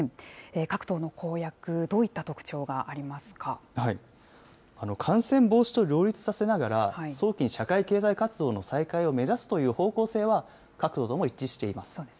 各党の公約、どういった特徴があ感染防止と両立させながら、早期に社会経済活動の再開を目指すという方向性は、各党とも一致しています。